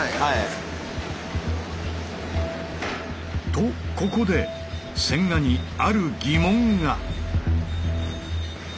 とここで千賀に「ある疑問」が！